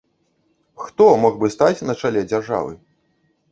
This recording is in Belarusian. Хто мог бы стаць на чале дзяржавы?